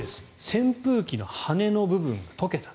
扇風機の羽根の部分が溶けた。